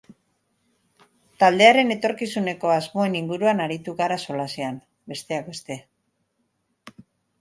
Taldearen etorkizuneko asmoen inguruan aritu gara solasean, besteak beste.